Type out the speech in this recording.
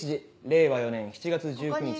令和４年７月１９日。